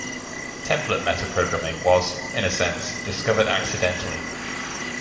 Template metaprogramming was, in a sense, discovered accidentally.